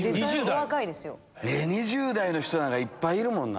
２０代の人なんかいっぱいいるもんな。